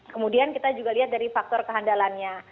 kemudian kita juga lihat dari faktor kehandalannya